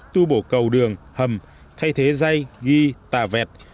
tu bổ cầu đường hầm thay thế dây ghi tà vẹt